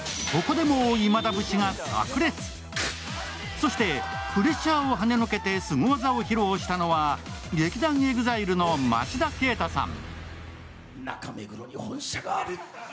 そして、プレッシャーをはねのけてすご技を披露したのは、劇団ＥＸＩＬＥの町田啓太さん。